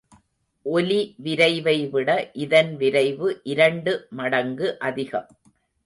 ஒலிவிரைவை விட இதன் விரைவு இரண்டு மடங்கு அதிகம்.